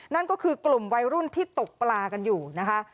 นั่นก็คือกลุ่มวัยรุ่นที่ตกปลากันอยู่นะคะ